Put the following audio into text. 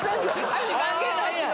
足関係ないやん！